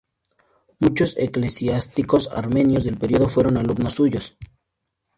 Muchos eclesiásticos armenios del periodo fueron alumnos suyos.